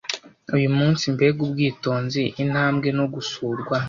uyu munsi mbega ubwitonzi intambwe no gusurwa